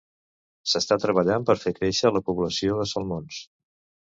S'està treballant per fer créixer la població de salmons.